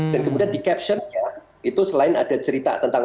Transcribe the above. dan kemudian di caption nya itu selain ada cerita tentang